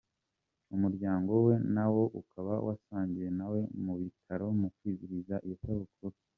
Umuryango we nawo ukaba wasangiye nawe mu bitaro mu kwizihiza iyo sabukuru.